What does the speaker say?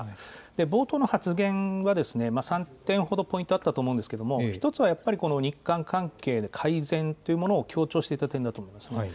冒頭の発言は３点ほどポイントはあったと思うんですけれども、１つはやっぱり、日韓関係での改善というものを強調していた点だと思います。